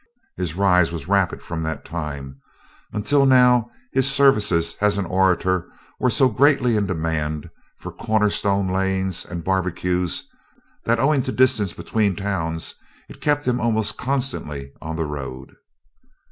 His rise was rapid from that time, until now his services as an orator were so greatly in demand for cornerstone layings and barbecues that, owing to distance between towns, it kept him almost constantly on the road.